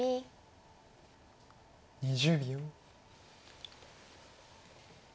２０秒。